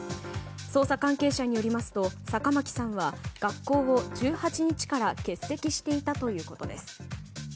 捜査関係者によりますと坂巻さんは学校を１８日から欠席していたということです。